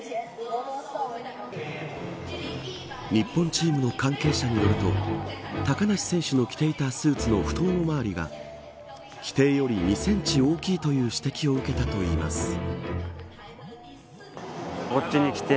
日本チームの関係者によると高梨選手の着ていたスーツの太もも周りが規定より２センチ大きいという指摘を受けたといいます。